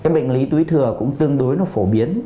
bệnh lý túi thừa cũng tương đối phổ biến